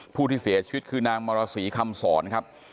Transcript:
ผู้ที่เสียชีวิตคือนางมรสีคำสอนครับ